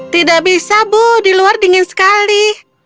tidak bisa bu di luar dingin sekali